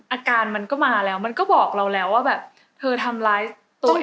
อาการมันก็มาแล้วมันก็บอกเราแล้วว่าแบบเธอทำร้ายตัวเอง